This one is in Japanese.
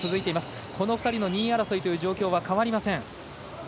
この２人の２位争いという状況は変わりません。